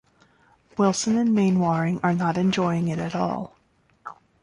Wilson and Mainwaring are not enjoying it at all.